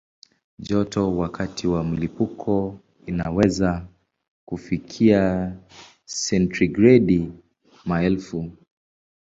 Joto wakati wa mlipuko inaweza kufikia sentigredi maelfu.